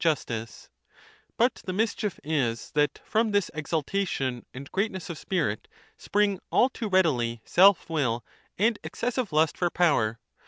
xix But the mischief is that from this exaltation and greatness of spirit spring all too readily self will and excessive lust for power.